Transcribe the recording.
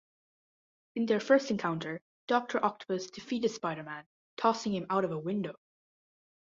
In their first encounter, Doctor Octopus defeated Spider-Man, tossing him out of a window.